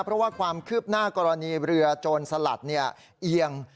เพราะว่าความคืบหน้ากรณีเรือโจรสลัดเอียง